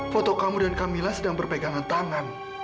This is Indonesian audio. foto kamu dan kamila sedang berpegangan tangan